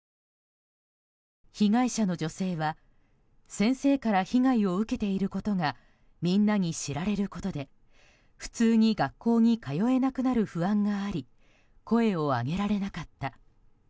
被害者の女性は先生から被害を受けていることがみんなに知られることで普通に学校に通えなくなる不安があり声を上げられなかった。